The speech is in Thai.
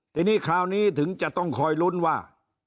ทีนี้คราวนี้ถึงจะต้องคอยลุ้นว่า